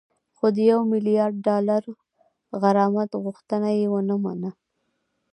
خو د یو میلیارد ډالري غرامت غوښتنه یې ونه منله